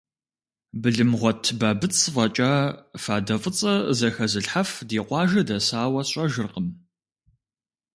Былымгъуэт Бабыц фӀэкӀа фадэ фӀыцӀэ зэхэзылъхьэф ди къуажэ дэсауэ сщӀэжыркъым.